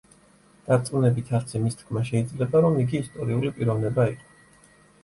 დარწმუნებით არც იმის თქმა შეიძლება, რომ იგი ისტორიული პიროვნება იყო.